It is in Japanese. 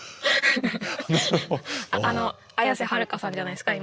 綾瀬はるかさんじゃないですか